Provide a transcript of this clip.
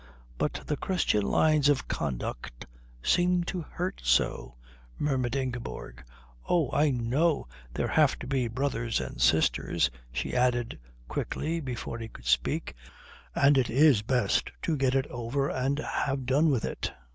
"But the Christian lines of conduct seem to hurt so," murmured Ingeborg. "Oh, I know there have to be brothers and sisters," she added quickly before he could speak, "and it is best to get it over and have done with it.